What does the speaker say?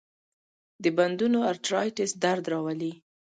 د بندونو ارترایټس درد راولي.